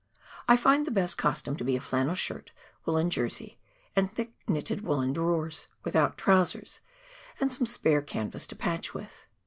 I find the best costume to be flannel shirt, woollen jersey, and thick knitted woollen drawers — without trousers — and some spare canvas to patch with.